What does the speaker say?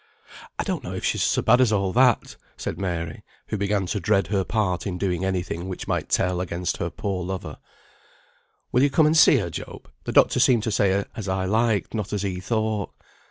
"I don't know if she's so bad as all that," said Mary, who began to dread her part in doing any thing which might tell against her poor lover. "Will you come and see her, Job? The doctor seemed to say as I liked, not as he thought."